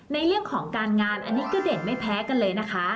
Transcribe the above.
ในเรื่องของการงานอันนี้ก็เด่นไม่แพ้กันเลยนะคะ